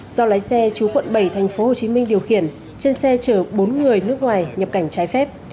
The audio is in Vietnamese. do lái xe chú quận bảy tp hcm điều khiển trên xe chở bốn người nước ngoài nhập cảnh trái phép